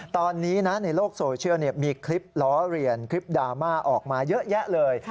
ตอนนี้นะในโลกโซเชียลมีคลิปล้อเรียนคลิปดราม่าออกมาเยอะแยะเลย